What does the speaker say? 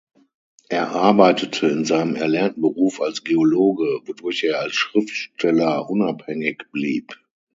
Er arbeitete in seinem erlernten Beruf als Geologe, wodurch er als Schriftsteller unabhängig blieb.